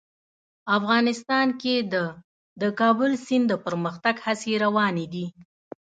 افغانستان کې د د کابل سیند د پرمختګ هڅې روانې دي.